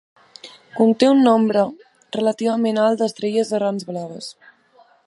Conté un nombre relativament alt d'estrelles errants blaves.